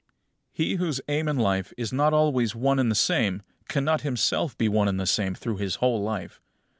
21. He whose aim in life is not always one and the same cannot himself be one and the same through his whole life.